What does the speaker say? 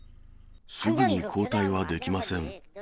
すぐに交代はできません。